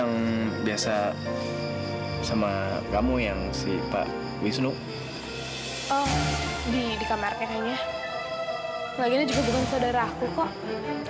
laginya juga bukan saudara aku kok